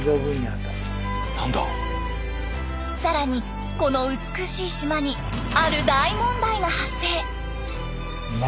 更にこの美しい島にある大問題が発生！